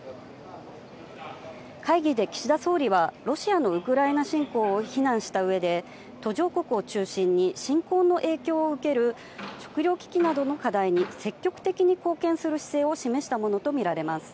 会議で岸田総理は、ロシアのウクライナ侵攻を非難したうえで、途上国を中心に、侵攻の影響を受ける食料危機などの課題に積極的に貢献する姿勢を示したものと見られます。